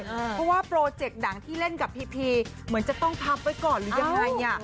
เพราะว่าโปรเจกต์ดังที่เล่นกับพีพีเหมือนจะต้องพับไว้ก่อนหรือยังไง